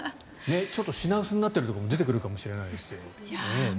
品薄になるところも出てくるかもしれないですよ。